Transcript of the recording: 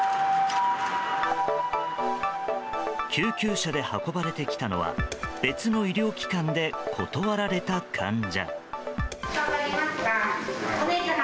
救急車で運ばれてきたのは別の医療機関で断られた患者。